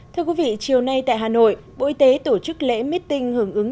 thưa quý vị chiều nay tại hà nội bộ y tế tổ chức lễ meeting hưởng ứng